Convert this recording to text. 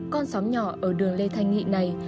con xóm nhỏ ở đường lê thanh nghị này